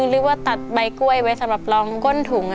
หรือว่าตัดใบกล้วยไว้สำหรับรองก้นถุง